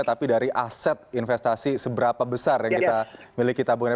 tapi dari aset investasi seberapa besar yang kita miliki tabungan